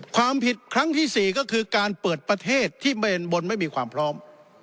ความผิดครั้งที่๔ก็คือการเปิดประเทศที่เบนบนไม่มีความพร้อม